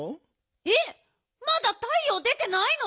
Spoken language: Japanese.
えっまだたいよう出てないの？